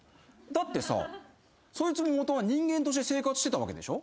だってさそいつももとは人間として生活してたわけでしょ。